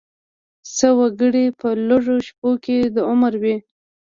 څه وګړي په لږو شپو کې د عمرو وي.